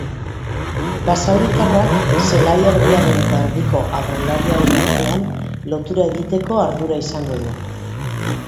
Basauritarrak zelai erdiaren eta erdiko aurrelariaren artean lotura egiteko ardura izango du.